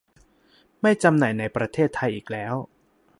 ไม่จำหน่ายในประเทศไทยอีกแล้ว